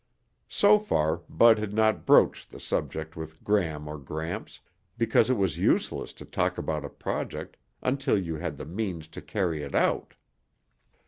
So far Bud had not broached the subject with Gram or Gramps because it was useless to talk about a project until you had the means to carry it out.